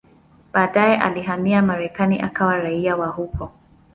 Baadaye alihamia Marekani akawa raia wa huko.